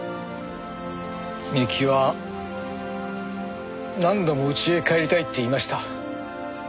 美雪は何度もうちへ帰りたいって言いました。